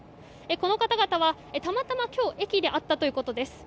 この方々はたまたま今日駅で会ったということです。